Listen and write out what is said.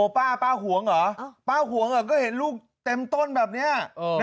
ป้าห่วงเหรอป้าห่วงเหรอก็เห็นลูกเต็มต้นแบบนี้